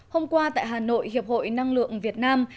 hôm qua tại hà nội hiệp hội năng lượng việt nam